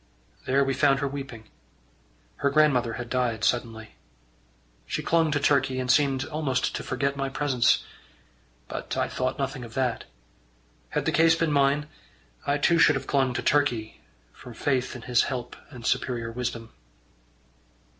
There we found her weeping. Her grandmother had died suddenly. She clung to Turkey, and seemed almost to forget my presence. But I thought nothing of that. Had the case been mine, I too should have clung to Turkey from faith in his help and superior wisdom.